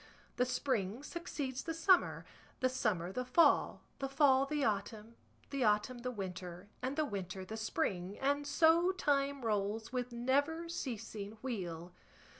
The spring succeeds the summer, the summer the fall, the fall the autumn, the autumn the winter, and the winter the spring, and so time rolls with never ceasing wheel.